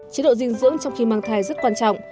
chế độ dinh dưỡng trong khi mang thai rất quan trọng